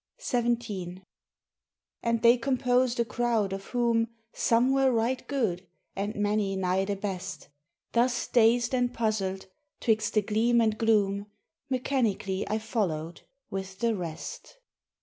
XVII And they composed a crowd of whom Some were right good, and many nigh the best ... Thus dazed and puzzled 'twixt the gleam and gloom Mechanically I followed with the rest.